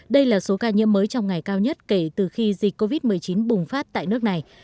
đây là số ca nhiễm mới trong ngày cao nhất kể từ khi dịch covid một mươi chín bùng phát tại nước này